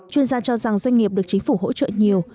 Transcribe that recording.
chuyên gia cho rằng doanh nghiệp được chính phủ hỗ trợ nhiều